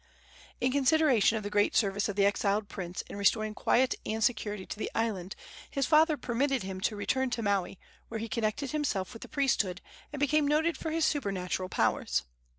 In consideration of the great service of the exiled prince in restoring quiet and security to the island, his father permitted him to return to Maui, where he connected himself with the priesthood, and became noted for his supernatural powers.